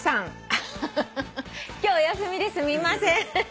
今日お休みですみません。